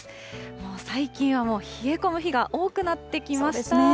もう最近はもう、冷え込む日が多くなってきました。